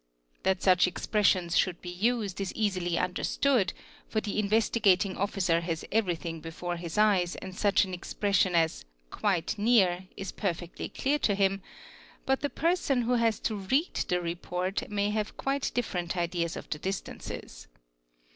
That such expressions should be used is easily derstood, for the Investigating Officer has everything before his eyes id such an expression as '"' quite near" is perfectly clear to him,—but 134 INSPECTION OF LOCALITIES the person who has to read the report may have quite different ideas of — the distances.